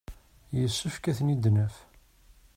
Yessefk ad ten-id-naf.